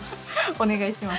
お願いします。